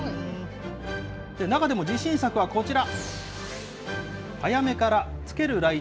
中でも自信作はこちら。